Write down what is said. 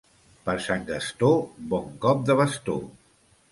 Per Sant Gastó, bon cop de bastó.